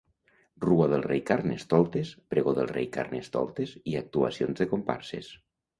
Rua del Rei Carnestoltes, pregó del Rei Carnestoltes i actuacions de comparses.